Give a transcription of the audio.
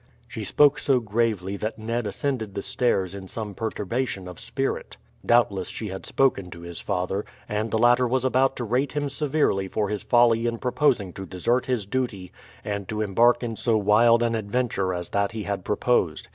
She spoke so gravely that Ned ascended the stairs in some perturbation of spirit. Doubtless she had spoken to his father, and the latter was about to rate him severely for his folly in proposing to desert his duty, and to embark in so wild an adventure as that he had proposed.